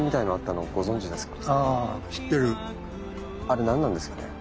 あれ何なんですかね？